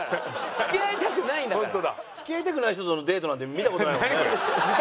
付き合いたくない人とのデートなんて見た事ないもんね。